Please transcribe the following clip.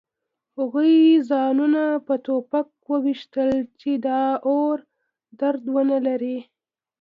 هغوی ځانونه په ټوپک ویشتل چې د اور درد ونلري